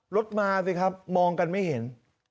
รถมาสิครับมองกันไม่เห็น